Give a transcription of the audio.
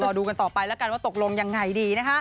ดูกันต่อไปแล้วกันว่าตกลงยังไงดีนะคะ